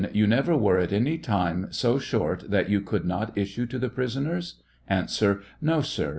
You never were at any time so short that you could not issue to the prisoners ? A. No, sir.